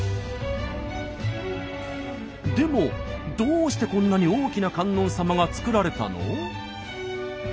でもどうしてこんなに大きな観音様が作られたの？